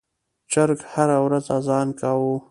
چرګ هره ورځ اذان کاوه.